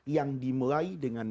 yang dimulai dengan